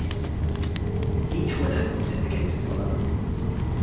Each winner is indicated below.